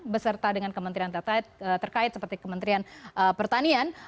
beserta dengan kementerian terkait seperti kementerian pertanian